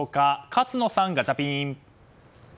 勝野さん、ガチャピン！